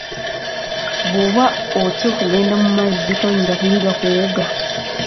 Bw'oba otya okugenda mu mazzi toyinza kuyiga kuwuga.